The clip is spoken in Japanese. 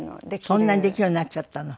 そんなにできるようになっちゃったの？